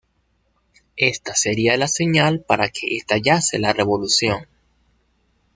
Esta sería la señal para que estallase la revolución.